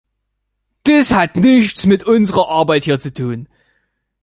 Dies hat nichts mit unserer Arbeit hier zu tun.